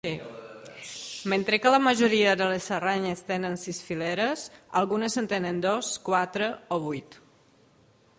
Mentre que la majoria de les aranyes tenen sis fileres, algunes en tenen dos, quatre o vuit.